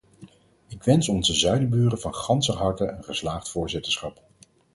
Ik wens onze zuiderburen van ganser harte een geslaagd voorzitterschap!